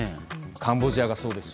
カンボジアがそうです。